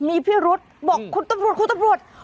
มีพิรุษบอกคุณตำรวจคุณตำรวจ